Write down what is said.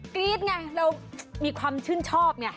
กรี๊ดไงเรามีความชื่นชอบไง